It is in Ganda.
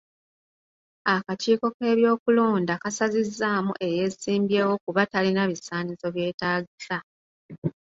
Akakiiko k'ebyokulonda kasazizzaamu eyeesimbyewo kuba talina bisaanyizo byetaagisa.